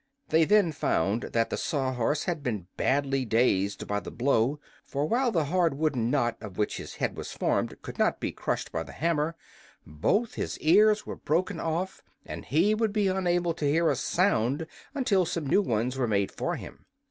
They then found that the Sawhorse had been badly dazed by the blow; for while the hard wooden knot of which his head was formed could not be crushed by the hammer, both his ears were broken off and he would be unable to hear a sound until some new ones were made for him.